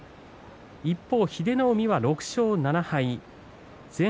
一方、英乃海は６勝７敗です。